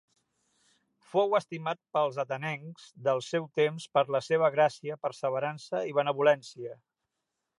Fou estimat pels atenencs del seu temps per la seva gràcia, perseverança i benevolència.